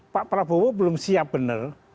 pak prabowo belum siap benar